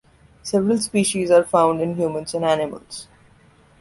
Several species are found in humans and animals.